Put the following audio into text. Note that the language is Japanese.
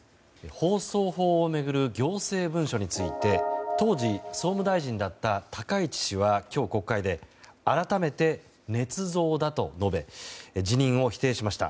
放送法を巡る行政文書について当時、総務大臣だった高市氏は今日国会で改めて、ねつ造だと述べ辞任を否定しました。